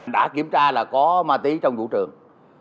đã kiểm tra là có ma tí trong vụ trường